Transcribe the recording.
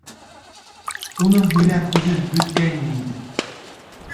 Уның һөйләр һүҙе бөткәйне инде.